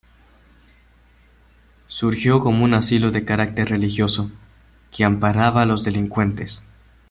Surgió como un asilo de carácter religioso, que amparaba a los delincuentes.